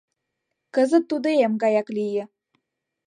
Кызыт тудо эм гаяк лие.